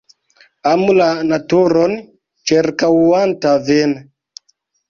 Amu la naturon ĉirkaŭanta vin.